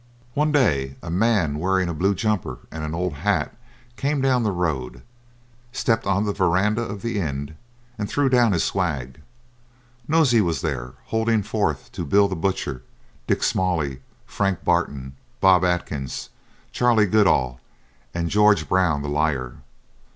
One day a man wearing a blue jumper and an old hat came down the road, stepped on to the verandah of the inn, and threw down his swag. Nosey was there, holding forth to Bill the Butcher, Dick Smalley, Frank Barton, Bob Atkins, Charley Goodall, and George Brown the Liar.